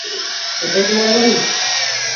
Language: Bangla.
এটাই তোমার বাড়ি।